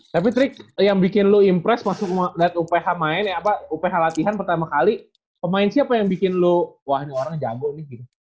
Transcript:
tapi trik yang bikin lu impress masuk ke uph main apa uph latihan pertama kali pemain siapa yang bikin lu wah ini orang jago nih